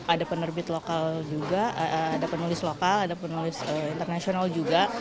ada penerbit lokal juga ada penulis lokal ada penulis internasional juga